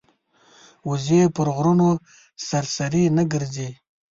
وزې پر غرونو سرسري نه ګرځي